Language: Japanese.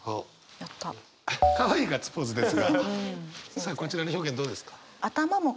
さあこちらの表現どうですか？